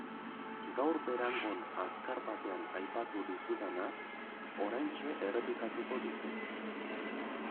Gaur Berangon azkar batean aipatu dizudana oraintxe errepikatuko dizut.